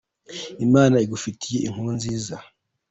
Imana igufitiye Inkuru nziza!